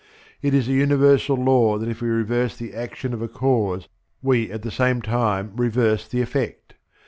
It is a universal law that if we reverse the action of a cause we at the same time reverse the effect.